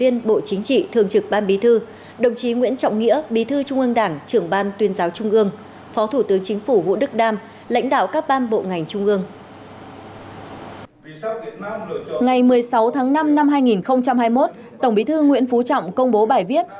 ngày một mươi sáu tháng năm năm hai nghìn hai mươi một tổng bí thư nguyễn phú trọng công bố bài viết